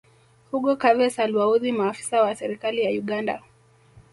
hugo chavez aliwaudhi maafisa wa serikali ya uganda